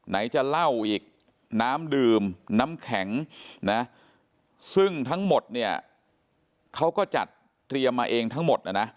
ไหนจะเหล้าอีกน้ำดื่มน้ำแข็งนะซึ่งทั้งหมดเนี่ยเขาก็จัดเตรียมมาเองทั้งหมดนะนะ